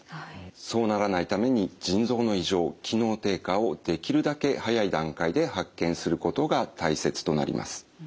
そうならないために腎臓の異常機能低下をできるだけ早い段階で発見することが大切となります。